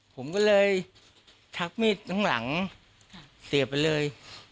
ผมก็เลยชักมีดทั้งหลังเสียบไปเลย